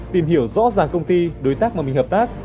tìm hiểu rõ ràng công ty đối tác mà mình hợp tác